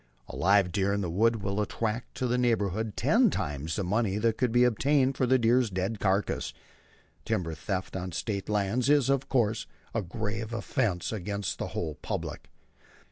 A live deer in the woods will attract to the neighborhood ten times the money that could be obtained for the deer's dead carcass. Timber theft on the State lands is, of course, a grave offense against the whole public.